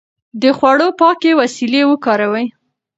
د خوړو پاکې وسيلې وکاروئ.